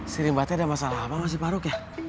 si rimbatnya ada masalah apa sama si paruk ya